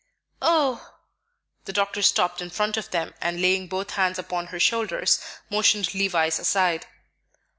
"Oh!" The doctor stepped in front of them, and laying both hands upon her shoulders, motioned Levice aside.